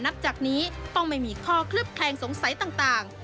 นับจากนี้ต้องไม่มีข้อเคลือบแคลงสงสัยต่าง